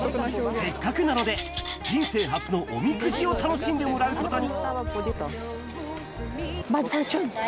せっかくなので、人生初のおみくじを楽しんでもらうことに。